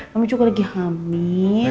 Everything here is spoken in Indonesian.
kamu juga lagi hamil